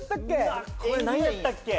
・うわこれ何やったっけ？